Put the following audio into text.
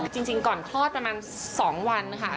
จริงก่อนคลอดประมาณ๒วันค่ะ